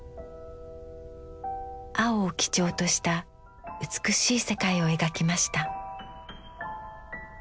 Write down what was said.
青を基調とした美しい世界を描きました。